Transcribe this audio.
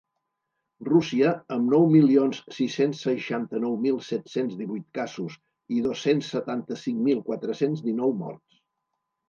Rússia, amb nou milions sis-cents seixanta-nou mil set-cents divuit casos i dos-cents setanta-cinc mil quatre-cents dinou morts.